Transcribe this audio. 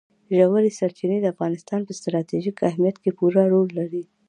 ژورې سرچینې د افغانستان په ستراتیژیک اهمیت کې پوره رول لري.